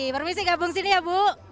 permisi gabung sini ya bu